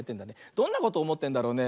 どんなことおもってんだろうね。